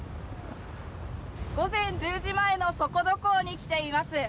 午前１０時前の底土港に来ています。